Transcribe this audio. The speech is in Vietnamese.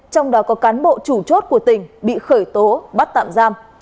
trong đó có cán bộ chủ chốt của tỉnh bị khởi tố bắt tạm giam